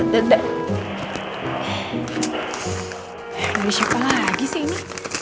dede siapa lagi sih ini